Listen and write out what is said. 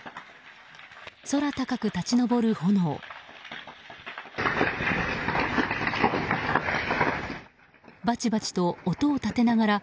空高く立ち上る炎。